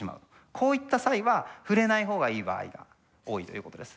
こういった際は触れない方がいい場合が多いということです。